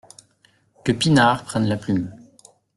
Que Pinard prenne la plume.